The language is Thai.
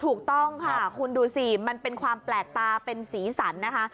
ถูกต้องค่ะคุณดูสิมันเป็นความแปลกตาเป็นสีสันนะคะ